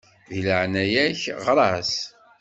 Di leɛnaya-k ɣeṛ-as.